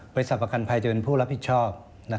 ประกันภัยจะเป็นผู้รับผิดชอบ